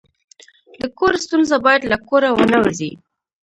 د کور ستونزه باید له کوره ونه وځي.